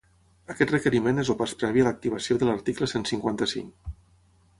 Aquest requeriment és el pas previ a l’activació de l’article cent cinquanta-cinc.